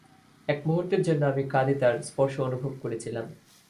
এক মুহূর্তের জন্য আমি কাঁধে তার স্পর্শ অনুভব করেছিলাম।